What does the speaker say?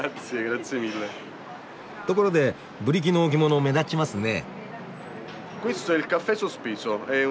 ところでブリキの置物目立ちますね。